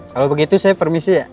kalau begitu saya permisi ya